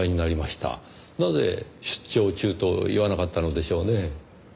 なぜ出張中と言わなかったのでしょうねぇ。